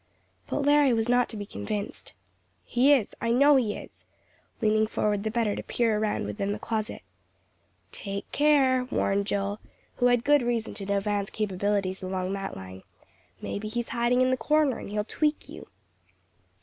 But Larry was not to be convinced. "He is, I know he is," leaning forward the better to peer around within the closet. "Take care," warned Joel, who had good reason to know Van's capabilities along that line, "maybe he's hiding in the corner, and he'll tweak you."